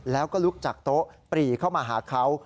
แล้วก็ลุกจากโต๊ะปรีเข้ามาหาเขา